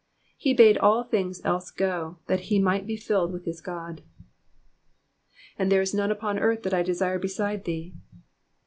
He bade all things else go, that he might be filled with his God. ^''And there is none vpon earth that I desire beside thee.''